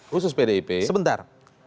khusus pdip sebentar